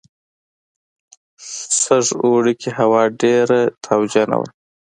سږ اوړي کې هوا ډېره تاوجنه وه.